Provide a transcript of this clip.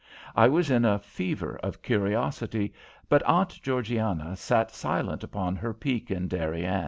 I was in a fever of curiosity, but Aunt Georgiana sat silent upon her peak in Darien.